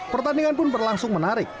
pertandingan pun berlangsung menarik